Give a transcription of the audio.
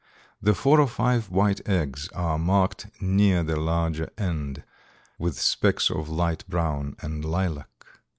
The four or five white eggs are marked near the larger end with specks of light brown and lilac.